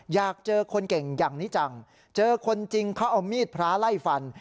อยากเจอคนเก่งอย่างนี้จังเจอคนจริงเขาเอามีดพระไล่ฟัน